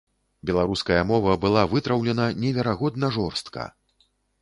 Беларуская мова была вытраўлена неверагодна жорстка.